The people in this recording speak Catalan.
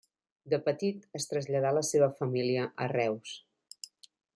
De petit es traslladà la seva família a Reus.